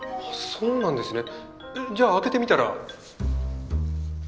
そうなんですねじゃあ開けてみたら？